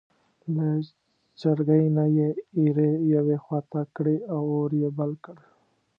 له چرګۍ نه یې ایرې یوې خوا ته کړې او اور یې بل کړ.